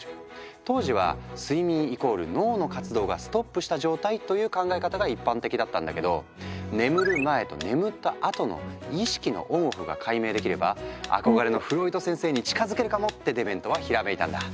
当時は睡眠＝脳の活動がストップした状態という考え方が一般的だったんだけど「眠る前と眠ったあとの意識のＯＮＯＦＦが解明できれば憧れのフロイト先生に近づけるかも！」ってデメントはひらめいたんだ。